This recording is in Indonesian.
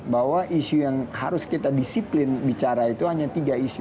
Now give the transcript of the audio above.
bahwa isu yang harus kita disiplin bicara itu hanya tiga isu